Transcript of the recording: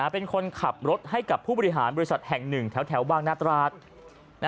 เป็นคนขับรถให้กับผู้บริหารบริษัทแห่งหนึ่งแถวบางนาตราด